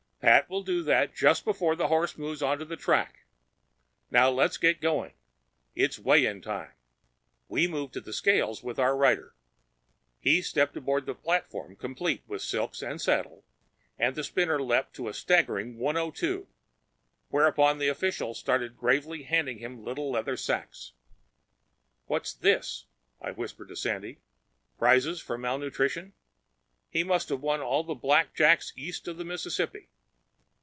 "Pat will do that just before the horses move onto the track. Now let's get going. It's weigh in time." We moved to the scales with our rider. He stepped aboard the platform, complete with silks and saddle, and the spinner leaped to a staggering 102, whereupon the officials started gravely handing him little leather sacks. "What's this?" I whispered to Sandy. "Prizes for malnutrition? He must have won all the blackjacks east of the Mississippi."